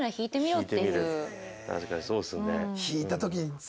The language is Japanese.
確かにそうですよね。